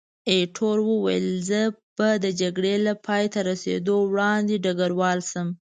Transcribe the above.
ایټور وویل، زه به د جګړې له پایته رسېدو وړاندې ډګروال شم.